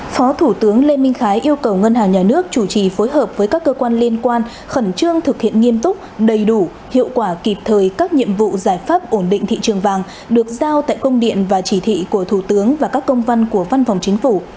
phó thủ tướng lê minh khái yêu cầu ngân hàng nhà nước chủ trì phối hợp với các cơ quan liên quan khẩn trương thực hiện nghiêm túc đầy đủ hiệu quả kịp thời các nhiệm vụ giải pháp ổn định thị trường vàng được giao tại công điện và chỉ thị của thủ tướng và các công văn của văn phòng chính phủ